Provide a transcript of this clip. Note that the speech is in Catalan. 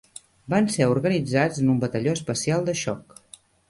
Van ser organitzats en un batalló especial de xoc